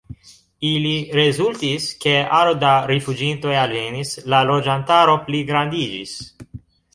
Ili rezultis, ke aro da rifuĝintoj alvenis, la loĝantaro pligrandiĝis.